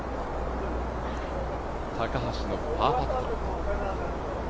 高橋のパーパット。